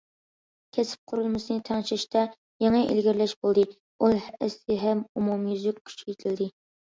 كەسىپ قۇرۇلمىسىنى تەڭشەشتە يېڭى ئىلگىرىلەش بولدى، ئۇل ئەسلىھە ئومۇميۈزلۈك كۈچەيتىلدى.